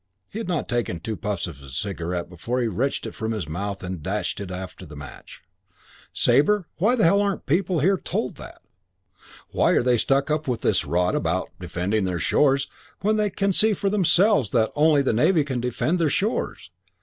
He had not taken two puffs at his cigarette before he wrenched it from his mouth and dashed it after the match. "Sabre, why the hell aren't people here told that? Why are they stuck up with this rot about defending their shores when they can see for themselves that only the Navy can defend their shores?